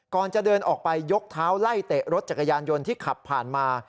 ก่อนจะเดินออกไปยกเท้าไล่เตะรถจักรยานยนต์ที่ขับผ่านมา